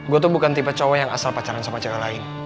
gue tuh bukan tipe cowok yang asal pacaran sama cewek lain